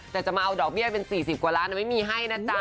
แต่จะมาเอาดอกเบี้ยเป็น๔๐กว่าล้านไม่มีให้นะจ๊ะ